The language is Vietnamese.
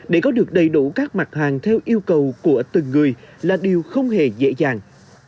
để có được đầy đủ các mặt hàng theo yêu cầu của từng người là điều không hề dễ dàng